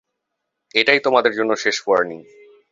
এটাই তোমাদের জন্য শেষ ওয়ার্নিং।